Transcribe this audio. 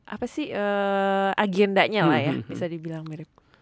apa sih agendanya lah ya bisa dibilang mirip